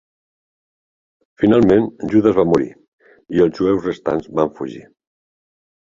Finalment Judes va morir i els jueus restants van fugir.